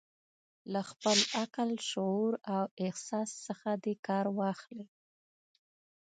له خپل عقل، شعور او احساس څخه دې کار واخلي.